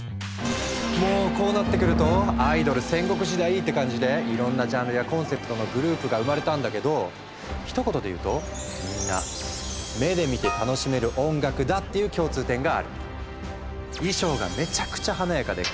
もうこうなってくると「アイドル戦国時代」って感じでいろんなジャンルやコンセプトのグループが生まれたんだけどひと言で言うとみんな衣装がめちゃくちゃ華やかで完璧にそろったダンスパフォーマンス！